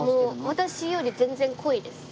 私より全然濃いです。